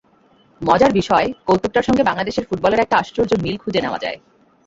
মজার বিষয়, কৌতুকটার সঙ্গে বাংলাদেশের ফুটবলের একটা আশ্চর্য মিল খুঁজে নেওয়া যায়।